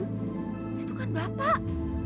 itu kan bapak